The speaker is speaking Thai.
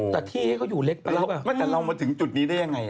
แต่ที่ให้เขาอยู่เล็กไปแล้วไม่แต่เรามาถึงจุดนี้ได้ยังไง